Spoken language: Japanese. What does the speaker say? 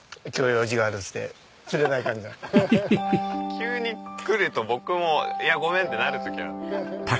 急に来ると僕も「いやごめん」ってなる時が。